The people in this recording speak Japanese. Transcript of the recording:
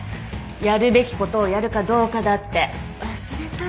やるべきことをやるかどうかだって忘れたの？